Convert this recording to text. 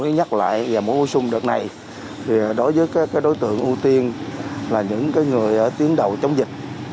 nhắc lại mỗi bổ sung đợt này đối với các đối tượng ưu tiên là những người tiến đầu chống dịch